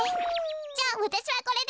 じゃあわたしはこれで。